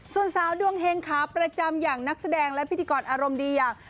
ส่วนสาวดวงเฮงขาประจำอย่างนักแสดงและพิธีกรอารมณ์ดีอย่าง